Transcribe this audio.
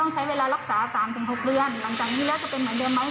ใช้เวลารักษา๓๖เดือนหลังจากนี้แล้วจะเป็นเหมือนเดิมไหม